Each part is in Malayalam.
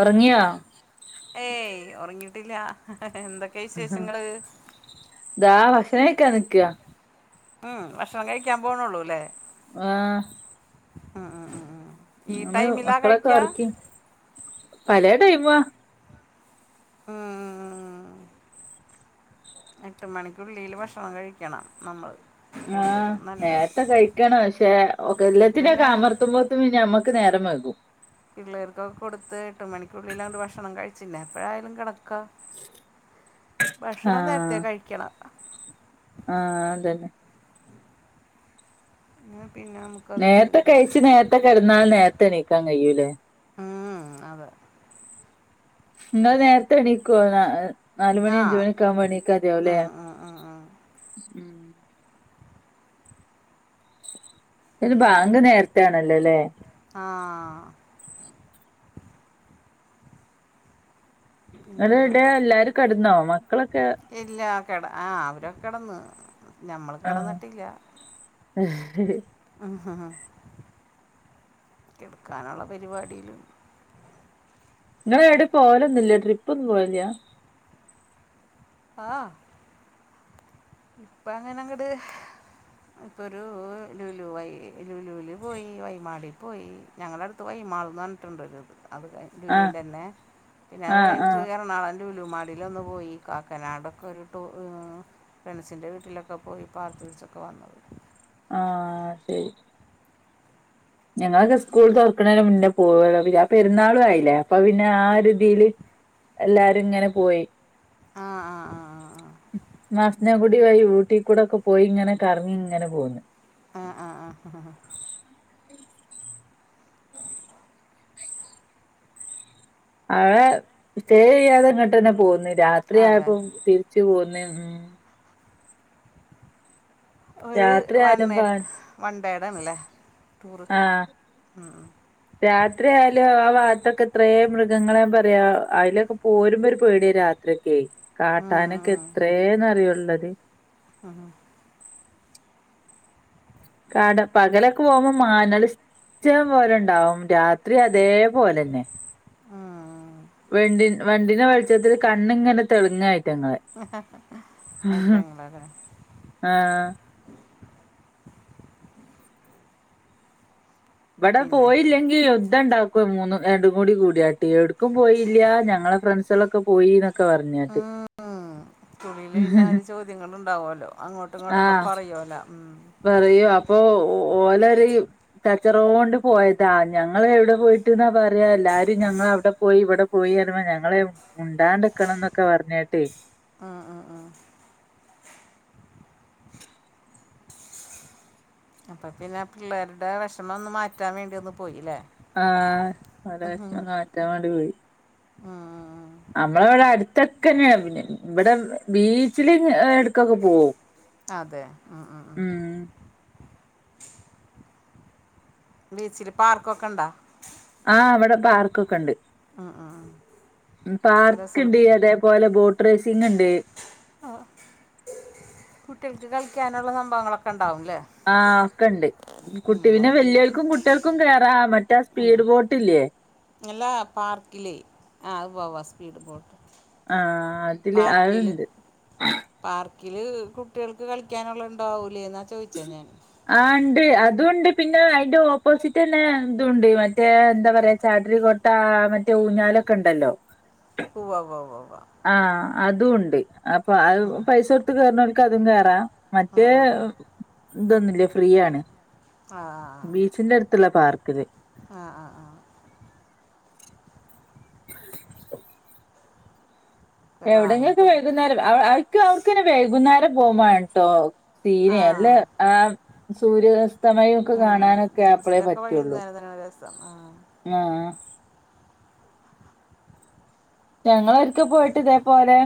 ഒറങ്ങിയോ ഏയ് ഒറങ്ങിട്ടില്ല എന്തൊ താ ഭക്ഷണം കഴിക്കാ നിക്കാ ഉം ഭക്ഷണം കഴിക്കാ പോണുള്ളൂ ല്ലേ ആഹ് ആ ആ ആ ആ ഈ നമ്മള് ടൈമില കഴിക്ക പലെ ടൈമുാ ഉം ഉം എട്ട് മണിക്കുള്ളീല് ഭക്ഷണം കഴിക്കണം നമ്മൾ ആഹ് കൂടുതലും നല്ലത് നേരത്തെ കഴിക്കണം പക്ഷെ ഒക്കെ എന്നിട്ട് എല്ലത്തിനേം ഒക്കെ പിന്നെ അമർത്തുമ്പോ ത്തുമ്പോ നമുക്ക് നേരം വൈകും പിള്ളേർക്കൊക്കെ കൊടുത്ത് എട്ട് മണിക്കുള്ളില് ആണ്ട് ഭക്ഷണം കഴിച്ച് പിന്നെ എപ്പോഴായാലും കെടക്കാ ഭക്ഷണം നേരത്തെ കഴിക്കണം ആഹ അതന്നെ പിന്നെ നമുക്കതൊരു നേർത്തെ ഇതാവും കഴിച്ച് നേരത്തെ കെടന്നാൽ നേരത്തെ എണീക്കാൻ കഴിയൂലേ ഉം, അതെ ഇങ്ങള് നേരത്തെ എണീക്കോ ആ നാലുമണി അഞ്ച് മണി ഒക്കെ ആവുമ്പോ എണീക്കാതിയാവുല്ലേ ഉം, ഉം, ഉം, ഉം. ഉം. ഇത് ബാങ്ക് നേർത്തെണല്ലോ ലേ. ആഹ്. പിന്നെന്താ അതടെ എല്ലാരും കട്ന്നൊ മ ഇല്ല കെട ആ അവരൊക്കെ കെടന്ന് നമ്മള് കെടന്നിട്ടില്ല. ഇഹ് ഹഹ ഹും ഹും കിട്ക്കാനുള്ള പരിപാടിയിലു. ങ്ങള് ഏടി പോവലൊന്നുല്ല്യ ട്രിപ്പൊന്നും പോവല്ല്യ. ആഹ്. ഇപ്പങ്ങനങ്ങട്. ഇപ്പരൂ ലുലൂ വയ് ലുലൂല് പോയി വൈമാടി പോയി. ഞങ്ങളട്ത്ത് വൈ മാൾന്ന് പറഞ്ഞിട്ടുണ്ടൊരു അവ്‌ടെ. ആഹ് ലുലൂൻ്റെന്നെ പിന്നെ അത് ആഹ് കയ്ഞ്ഞിട്ട് ആഹ് എറണാങ്കു ലലുമാളിലൊന്നു പോയി കാക്കനാടൊക്കൊരു ടൂ ഏ. ഫ്രണ്ട്സിൻ്റെ വീട്ടിലൊക്കെ പോയി പാർത്ത്ര്ച്ചൊക്കെ വന്നതാ. ആഹ് ശരി. ഞങ്ങളൊക്കെ സ്കൂൾ തൊർക്ക്ണേന് മുന്നേ പോയതാ പിന്നാ പെരുന്നാളും ആയിലേ അപ്പൊ പിന്നെ ആ ഒരു. തീല് എല്ലാരുംങ്ങനെ പോയി. ആ ആ മസ്നഗുടി വഴി ഊട്ടി കൂടൊക്കെ പോയിങ്ങനെ കർങ്ങിങ്ങനെ പോന്ന്. ആഹ് ആഹ് ആഹഹഹ. അവ സ്റ്റേ ചെയ്യാതെ ഇങ്ങട്ടെന്നെ പോന്ന് രാത്രി അതെ ആയപ്പോം തിര്ച്ചു പോന്ന് ഉം. ഒരു രാത്രി വൺ ആയാലും എ പ വൺഡെഡണ് ലേ. ആഹ്. രാത്രി ആയാലു ആ വാത്തൊക്കെ എത്രേ മൃഗങ്ങളെ പറയാ അയ്ലൊക്കെ പോരുമ്പൊരു പേട്യ രാ ത്രി ഒക്കെ കാട്ടാനൊക്കെ എത്രയേന്ന് അറിയൊള്ളത്. ആഹ. ആടെ പകലൊക്കെ പോകുമ്പോ മാനേള് ഇഷ്ടം പോലെണ്ടാവും രാത്രി അതേപോലെന്നെ. ആഹ്. വെണ്ടി വണ്ടിന്റെ വെൾച്ചത്തില് കണ്ണിങ്ങനെ തെള്ങ്ങ അയ്റ്റങ്ങളെ. ഐറ്റങ്ങളെ ലെ. ആഹ്. വടെ പിന്നെ പോയില്ലെങ്കി ൽ യുദ്ധണ്ടാക്കും മൂന്ന് രണ്ടും കൂടി കൂട്യാട്ട് എവ്ടുക്കും പോയില്ല്യ ഞങ്ങളെ ഫ്രണ്ട്സേളൊക്കെ പോയിന്ന ക്ക പർഞ്ഞാട്ട്. ദിങ്ങളുണ്ടാവൊല്ലോ അങ്ങോട്ടും ഇങ്ങോട്ടൊക്കെ പറയോല്ലോ ഉം. പറയൂ അപ്പൊ ഒ ഓലരയു. കച്ചറോണ്ട് പോയതാ ഞങ്ങള് എവിടെ പോയിട്ട്ന്നാ പറയാ എല്ലാരും ഞങ്ങള് അവിടെ പോയി ഇവിടെ പോയി അറിമ്പ ഞങ്ങള് മുണ്ടാണ്ടെക്കണംന്നൊക്കെ പർഞാട്ടെ. ആഹ് ആഹ് ആഹ്. അപ്പൊ പിന്നെ പിള്ളേര്ടെ വെഷമൊന്ന് മാറ്റാൻ വേണ്ടി ഒന്ന് പോയി ലേ ആഹ് അതെ വശ്മൊന്ന് മാറ്റാൻ വേണ്ടി പോയി. ആഹ്. നമ്മളവടെ അട്ത്തൊക്കെന്നെവുലെ ഇവടെ ബീച്ചില് അ എട്ക്കൊക്കെ പോവും. അതെ ആഹ് ആഹ് ആഹ്. ഉം ബീച്ചില് പാർക്കൊക്കണ്ടോ. ആഹ് വടെ പാർക്കൊക്കെണ്ട്. ഉം അപ്പോൾ രസമാണ് പാർക്ക്ണ്ട് അതേപോലെ ബോട്ട് റേസിംങ്ണ്ട്. കുട്ട്യൾക്ക് കളിക്ക്യാനുള്ള സംഭവങ്ങളൊക്കെണ്ടാവുല്ലേ. ആഹ് ഒക്കെണ്ട് കുട്ടി പിന്നെ വെല്യോൽക്കും കുട്യാൾക്കും കേറാ മറ്റേആ സ്പീഡ് ബോട്ടില്ലേ. ങ്ല്ല പാർക്കിലേ ആ അത് പോവാ സ്പീഡ് ബോട്ട്. ആഹ് അത് പാർക്കില് പാർക്കില് കുട്യൾക്ക് കളിക്കാനുള്ളത് ഇണ്ടാവൂലെ ന്നാ ചോയ്ച്ച ഞാൻ ആഹ് ഇണ്ട്, അതൂണ്ട്, പിന്നെ അയിന്റെ ഓപ്പോസിറ്റ്ന്നെ ഇതൂണ്ട് മറ്റേ എന്താ പറയാ ചാട്രികോ താ മറ്റേ ഊഞ്ഞാലൊക്കെ ഇണ്ടല്ലോ. ഉവ്വ ഉവ്വ ഉവ്വ ഉവ്വ ആഹ് അതൂണ്ട്. അപ്പ അത് പൈസ കൊടുത്ത് കേറുന്നോൽക്ക് അതും കേറാ ആ മറ്റേ ആ ഇതൊന്നുല്ല ഫ്രീയാണ്, ആ ആ ബീച്ചിന്റെ അടുത്തുള്ള പാർക്കില്. ആഹ് ആഹ് ആഹ് [unintelligible] എവിടെങ്കിലൊക്കെ ക്ലാങ്ങൊരു വൈകുന്നേരം അവ അവക്ക് അവ്ക്ക് വൈകുന്നേരം പോകും വേണട്ടോ. ആ പീരെ അല്ലേ ആഹ് സൂര്യാസ്തമയം ഒക്കെ ആ കാണാനൊക്കെ അപ്പഴെ ബീച്ചിലൊക്കെ വഴി പറ്റുള്ളൂ. നേരം രസം ആഹ് ആഹ് ഞങ്ങളൊക്കെ പോയിട്ട് ഇതേപോലെ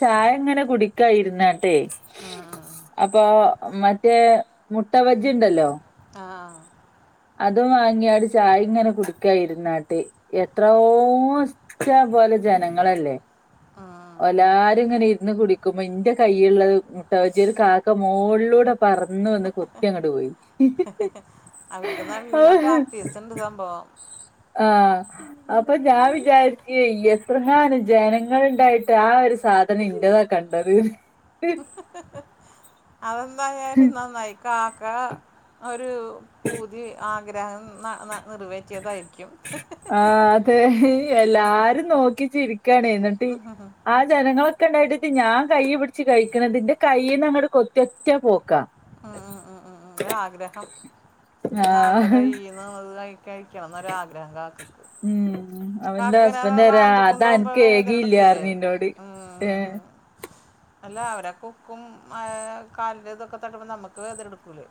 ചായങ്ങനെ കുടിക്കായിരുന്നാട്ടെയ്. ആ ഇപ്പോ മറ്റേ മുട്ട ബജ്ജിണ്ടല്ലോ ആഹ് അത് വാങ്ങിയാല് ചായിങ്ങനെ കുടുക്ക ഇരുന്നാട്ട് എത്രോ ഇഷ്ടം പോലെ ജനങ്ങളല്ലേ. ആഹ് എല്ലാരുങ്ങനെ ഇരുന്ന് കുടിക്കുമ്പോ ഇന്റെ കയ്ല്ള്ള മുട്ട ബജ്ജി ഒരു കാക്ക മോളിലൂടെ പറന്ന് വന്ന് കൊത് ത്തി അങ്ങ്ട് പോയി. അവർക്ക് നല്ല പ്രാക്ടീസ് ഇണ്ട് സംഭവം. ആഹ് അപ്പ ഞാൻ വിചാരിച്ച് എത്രങ്ങാനും ജനങ്ങളിണ്ടായിട്ട് ആ ഒരു സാ ധനം ഇന്റതാ കണ്ടത്. [unintelligible] അങ്ങനെ [unintelligible] കാക്ക ഒരു പൂതി ആ ഗ്രഹം ന ന നിറവേ ആഹ് അതെ എല്ലാരും നോക്കി ചിരി ക്കാണ്, എന്നിട്ട് ആ ജനങ്ങള ക്കെ ഇണ്ടായിട്ട് ഞാൻ കയ്യ് പിടിച്ച് കഴിക്കണതിന്റെ കൈയ്യിന്നങ്ങ‌ട് കൊത്തി ഒറ്റ പോക്കാ. ആഹ് ആഹ് ആഹ് ആഹ് ആഹ് ഒരാഗ്രഹം ആ ഇന്നാൾടെ കയ്യിന്ന് അത് വാങ്ങി കയ് ക്കണം എന്നൊരാഗ്രഹം കാക്ക് മ് അവന്റെ ഹസ്ബന്റ് ആരാ റാഞ്ചി കൊണ്ടുപോകുമ്പോൾ അതനക്ക് ഏകി വേദന എടുക്കൂലേ ഇല്ലാറിഞ്ഞ് എന്നോട് ഉം. ഏഹ് ടിക് അല്ല അവരക്കെ ഉക്കും ആഹ് കാലിന്റെ ഇതൊക്കെ തട്ടുമ്പോൾ നമ്മക്ക് വേദന എടുക്കൂല്ലേ.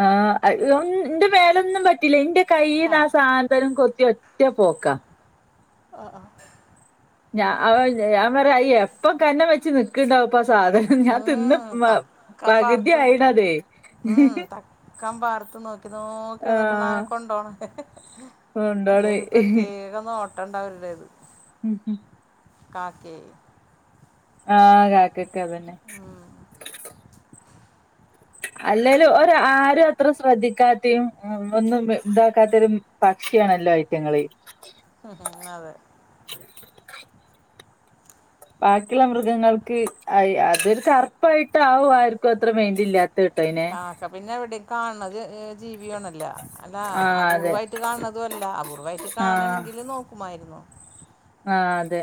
ആഹ് അ ഇന്റെ വേലൊന്നും പറ്റില്ല ഇന്റെ ഏ കയ്യിന്ന് ആ സാധനം കൊത്തി ഒറ്റ പോക്ക. ആഹ് ആഹ് ഞാ അവ ഞാൻ പറ എപ്പം കണ്ണ് വെച്ച് നി ക്ക്ണ്ടാവുപ്പ സാധന ഞാൻ തിന്ന് ഉം, തക്കം പകുതി ആയിണത്. കംമ്പാർ ത്ത് നോക്കി നോക്കി ആ നിന്നിട്ടാണ് നായ കൊണ്ടോണ് അങ്ങനെ ഒരു കൊണ്ടോളി പ്രത്യേക നോ ട്ടണ്ട് അവരുടേത്. മ് മ് കാക്കേ ആഹ് കാക്കക്ക് അതെന്നെ. ഉം, അല്ലേലും ഒര ആരും അത്ര ശ്രദ്ധിക്കാത്തേം മ് ഒന്നും ഇതാക്കാത്തെ ഒരു പക്ഷിയാണല്ലോ ഐറ്റിങ്ങള്. ഉം ഉം അതെ. ബാക്കിയുള്ള മൃഗങ്ങൾക്ക് അതൊരു കറുപ്പായിട്ടാകും ആർക്കും അത്ര മൈന്റില്ലാ കാക്ക പിന്നെ എവിടെയും കാണ്ണരു ജീവിയോണല്ല അല്ല ആഹ് അതെ അപൂർവ്വമായിട്ട് കാണ്ണതും അല്ല അപൂർവ്വായി ക് കാണണങ്കിൽ നോക്കുമായിരുന്നു. ആ അതെ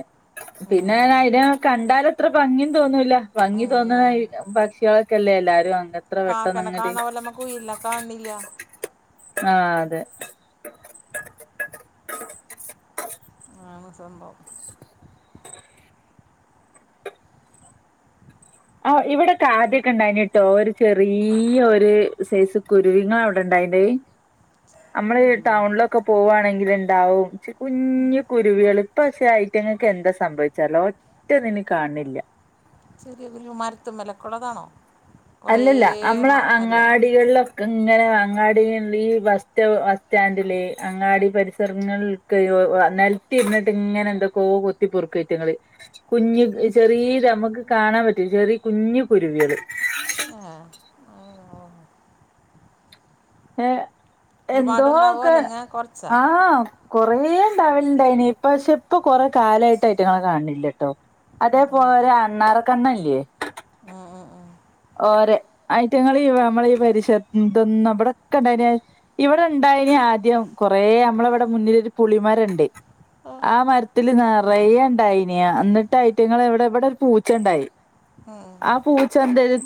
പിന്നെ ഉം, അയിനെയകണ്ടാലത്ര ഭംഗിയും തോന്നൂല്ല ഭംഗി തോന്നണ ഉം. പക്ഷികളൊക്കെല്ലേ എല്ലാരും വാങ്ങ കാക്കനെ കാണാ പോലേ നമ്മ കുയിലിനെ കാണ്ണില്യ ആ അതെ. ആ മസണ്ടാവും [unintelligible] [inaudible] ആ ഇവിടെ ആദ്യയൊക്കെ ഇണ്ടായിന്ട്ടോ ഒരു ചെറിയ്യൊരു സൈസ് കുരുവി ങ്ങളെ അവിടെ ഇണ്ടായിനോ അത് ഈ അമ്മള് കുരുവിയാ ടൗൺള് ഒക്കെ പോുകവാണെങ്കിൽ ഇണ്ടാവും ച് കുഞ്ഞു കുരുവികൾ ഇപ്പക്ഷേ ഐറ്റങ്ങൾക്ക് എന്താ സംഭവിചെറീല ഒറ്റന്നിനേം കാൺണില്ല. ചെറിയൊരു മാരത്തിൻമേലൊക്കെള്ളതാണോ? അല്ലല്ല അമ്മള അങ്ങാടി അങ്ങാടികളിലൊക്കെ ഇങ്ങനെ അങ്ങാടിയിൽ ഈ ബസ്റ്റൊ ബസ്റ്റാൻഡില് അങ്ങാടി പരിസരങ്ങളിൽ നെലത്തി ഇരുന്നിട്ട് ഇങ്ങനെ എന്തൊക്കോ കൊത്തി പൊറുക്കൊറ്റി ങ്ങള് കുഞ്ഞു ചെറിയ ഞമ്മക്ക് കാണാൻ പറ്റും ചെറിയ കുഞ്ഞു കുരുവികൾ. ആആ. ഏ എന്തോ ഒരുപാടുണ്ടാവോ ഒക്കെ അല്ലെങ്കിൽ കുറച്ചാ ആ. കൊറേണ്ടാവല്ണ്ടേനി പക്ഷെ ഇപ്പ കൊറേ കാലായിട്ട് അയിറ്റിങ്ങളെ കാൺണില്ലട്ടോ. ഉം, ഉം. അതേപോലെ അണ്ണാറക്കണ്ണല്ല്യേ? ഉം ഉം ഉ ഓര ഐറ്റങ്ങള് ഈ നമ്മള ഈ പരിസരതൊന്നും ഇവിടൊക്കേണ്ടയീന്യ, ഇവിടെണ്ടായിന് ആദ്യം കൊറേ അമ്മള ഇവിടെ മുന്നിലൊരു പുളിമരണ്ട്. ആ ആ മരത്തില് നിറയഇണ്ടായിന്യേ എന്നിട്ട് ഐറ്റങ്ങള് എവിടെ ഇവടെ ഒരു പൂച്ചണ്ടായി. ഉം. ആപൂച്ചന്തരി.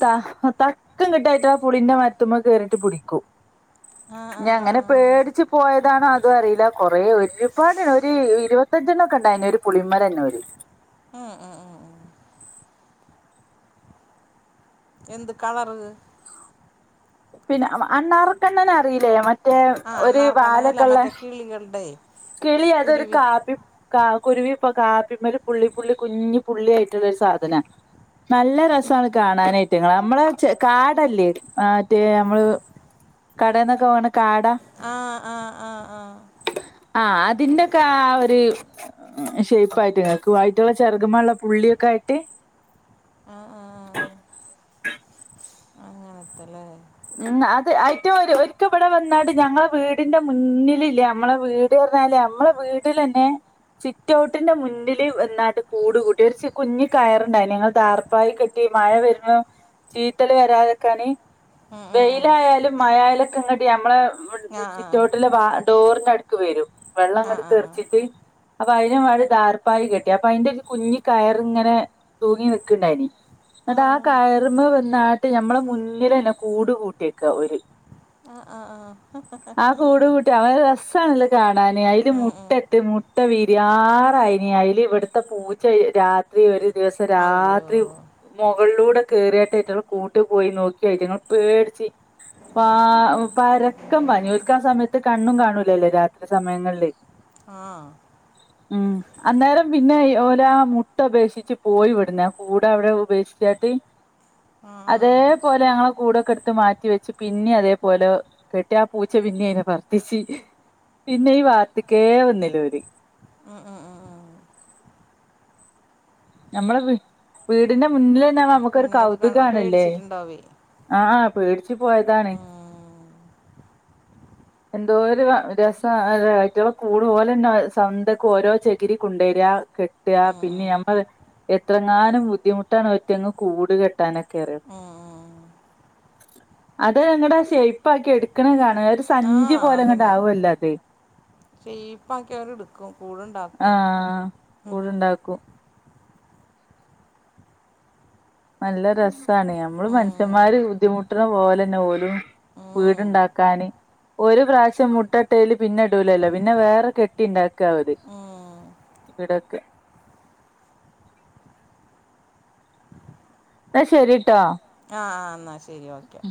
തക്കം കിട്ടിയ ആയിറ്റ്യേളെ പുളിന്റെ മരത്തുമ കേറിട്ട് പുടിക്കും ആ ആ ആ ഞ്യങ്ങനെ ആ. പേടിച്ച് പോയതാണോ അതും അറീല കൊറേ ഒരുപാട് ഒരു ഇരുപത്തഞ്ചെണ്ണം ഒക്കെ ഉണ്ടായിന് ഒരു പുളിമരന്നോര് ആ ആ ആ. എന്ത് കളറ്? പിന്നെ അണ്ണാറൊക്കെണ്ണന അറീല്ലേ, മറ്റേ ഒരു വാലൊക്കെള്ളെ കിളികൾടെ കിളി അതൊരു കാപ്പി കാ കുരുവി ഇപ്പൊ കാപ്പിമ്മൽ പുള്ളിപ്പുള്ളി കുഞ്ഞി പുള്ളി ആയിറ്റ്ള്ള ഒരു സാധനാ നല്ല രസാണ് കാണാനയിറ്റങ്ങളെ അമ്മളേ ചെ കാടല്ലേ ഏ മറ്റേ നമ്മള് കടേന്നൊക്കെ വാങ്ണ കാടാ. ആ ആആആ. ആഅതിന്റൊക്കെ ആ ഒര് ആ ഷേപ്പായിറ്റ് ക്കുവായിറ്റളെ ചെറ്ഗമ്മെള്ള പുള്ളിയൊക്കായിട്ട് ആആ. അങ്ങനത്തെല്ലേ ഉം അത് അയ്റ്റവരും ഒരിക്കെ ഇവിടെ വന്നാണ്ട് ഞങ്ങളെ വീടിന്റെ മുന്നിലില്ലേ നമ്മളെ വീ ടി വ ന്നാൽ നമ്മളെ വീടി ലന്നേ സിറ്റൗട്ടിന്റെ മുന്നില് വ ന്നാണ്ട് കൂട് കൂട്ടി ഒരുച്ച് കുഞ്ഞ് കയറുണ്ടായിന്ന് ഞങ്ങൾ താറ പ്പായി കെട്ടി മഴ വരുമ്പോ ചീത്തല് വരാതക്കാന്. ഉം, ഉം, ഉം. വെയിലായാലും മഴായാലൊക്കെ ഇങ്ങട്ടി നമ്മളെ ആ ആ സിറ്റോട്ടില് വാ ഡോറിന്റെ അടുക്ക് വരും വെള്ളം ആ ആ ഇങ്ങട്ട് ആ ആ തെറിച്ചിട്ട് അപ്പൊ അയിന് വാണ്ടി ദാറ്പ്പായി കെട്ടി അപ്പൊ അയിന്റെ ഒരു കുഞ്ഞി കയറ്ങ്ങനേ തൂങ്ങി നിക്ക്ണ്ടായിനി ഇന്ന്ട്ട് ആ കയറുമ്മെ വന്നാട്ട് ഞമ്മളെ മുന്നിലെന്നേ കൂട് കൂട്ടിയേക്ക ഓല് ആഹ് ആഹ് ആ കൂട് കൂട്ടി അവര രസ്സാണല്ലേ കാണാന് അയില് ഉം, മുട്ട ഉം. ഇട്ട് മുട്ട വിരി യാറായിന് അയില് ഇവിട്ത്തെ പൂച്ച രാ ത്രി ഒരു ദിവസം അയ്യോ രാത്രി മുകളിലൂടെ കേറീട്ട് റ്റളെ കൂട്ടിൽ പോയി നോക്കി അയിറ്റങ്ങൾ പേട്ച്ചി പാ പരക്കം പാഞ്ഞു ഓൽക്കാ സമയത്ത് കണ്ണും കാണൂലല്ലോ രാത്രി സമയങ്ങളില് ആഹ് ഉം അന്നേരം പിന്നെ ഈ ഓലാ മുട്ട ഉപേക്ഷിച്ച് പോയി ഇവിടുന്ന് കൂടെഅവിടെ ഉപേക്ഷിച്ചായിട്ട് ആ ആ അതേപോലെ ഞങ്ങളെ കൂടൊക്കെ ഇട്ത്ത് മാറ്റി വെച്ച് പിന്നിം അതേ പോലെ കെട്ടി ആ പൂച്ച പിന്നിം അയിനെ പർത്തിച്ച് പിന്നെ ഈ ഭാത്ത്ക്കേ വന്നിലോല് ഉം ഉം ഉം ഉം ഞമ്മളെ വീ വീടിന്റെ മുന്നിൽ ഇണ്ടാവുമ്പോ നമ്മക്കൊരു പിന്നെ അത് കണ് കൗതുകാണല്ലേ പേടിച്ചിട്ടുണ്ടാവേ ആഹ് പേടിച്ച് പോയതാണ് ഉം. എന്തോരു രസാ അത് അയിറ്റളെ കൂടും ഓലെന്നെ അത് സ്വന്തൊക്കെ ഓരോ ചെകിരി കൊണ്ടുവരാ കെട്ടാ ഉം, പിന്നെ ഉം. ഞമ് അതെ എത്രങ്ങാനും ബുദ്ധിമുട്ടാണ് അയ്റ്റങ്ങ് കൂട് കെട്ടാനൊക്കെറിയോ ഉം, ഉം. അത് ങ്ങടാ ഷേപ്പ് ആക്കി എടുക്കണത് കാണ ഒരു ആ സഞ്ചി പോലെ അങ്ങട്ടാവല്ലോ അത് ഷേപ്പ് ആക്കി അവര് എട്ക്കും കൂടുണ്ടാക്കും ആഹ് കൂടുണ്ടാക്കും നല്ല രസ്സാണ് ഞമ്മള് ഉം. മനുഷ്യമ്മാര് ബുദ്ധിമുട്ട്ണ പോലെന്നെ ഓലും വീട് ഉം. ഇണ്ടാക്കാന് ഒരു പ്രാവശ്യം മുട്ടട്ടേല് പിന്നെ ഇടൂലല്ലോ പിന്നെ വേറെ കെട്ടിണ്ടാക്കാ ഓല് ഉം. ഇവിടൊക്കെ ന്നാ ശരിട്ടോ ആഹ് ആഹ് ന്നാ ശരി ഓക്കെ